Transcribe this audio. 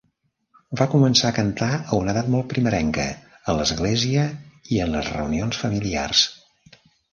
Va començar a cantar a una edat molt primerenca, a l'església i en les reunions familiars.